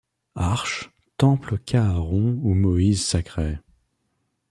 Arches, temples qu’Aaron ou Moïse sacrait